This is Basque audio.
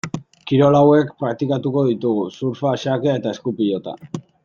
Kirol hauek praktikatuko ditugu: surfa, xakea eta eskupilota.